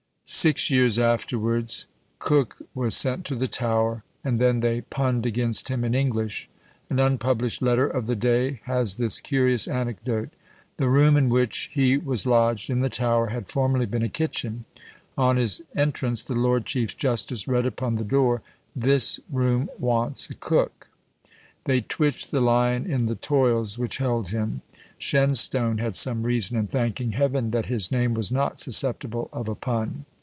_ Six years afterwards, Coke was sent to the Tower, and then they punned against him in English. An unpublished letter of the day has this curious anecdote: The room in which he was lodged in the Tower had formerly been a kitchen; on his entrance, the lord chief justice read upon the door, "This room wants a Cook!" They twitched the lion in the toils which held him. Shenstone had some reason in thanking Heaven that his name was not susceptible of a pun.